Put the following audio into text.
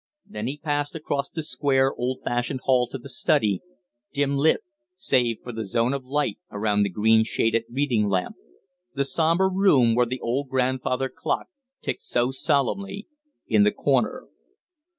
Then he passed across the square, old fashioned hall to the study, dim lit, save for the zone of light around the green shaded reading lamp; the sombre room where the old grandfather clock ticked so solemnly in the corner.